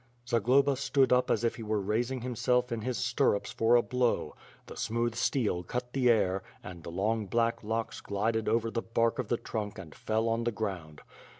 "Zagloba stood up as if he were raising himself in his stirrups for a blow. The smooth steel cut the air, and the long black locks glided over the bark of the trunk and fell on the ground.